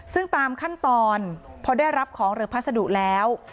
ซึ่งตามขั้นตอนพอได้รับของหรือพัสดุแล้ว